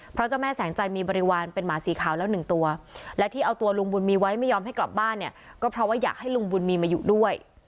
เพราะเจ้าแม่แสงจันทร์มีบริวารเป็นหมาสีขาวแล้วหนึ่งตัวและที่เอาตัวลุงบุญมีไว้ไม่ยอมให้กลับบ้านเนี่ยก็เพราะว่าอยากให้ลุงบุญมีมาอยู่ด้วย